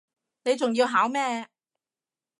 你仲要考咩